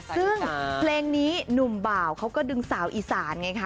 ซึ่งเพลงนี้หนุ่มบ่าวเขาก็ดึงสาวอีสานไงคะ